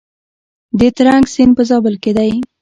د ترنک سیند په زابل کې دی